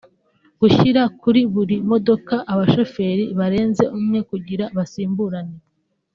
Gushyira kuri buri modoka abashoferi barenze umwe kugira basimburane